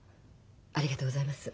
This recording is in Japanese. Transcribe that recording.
ありがとうございます。